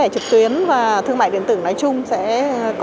thách thức sẽ đến từ việc